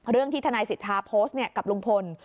เรื่องที่ทนายศิษภาโพสต์กับลุงพนธ์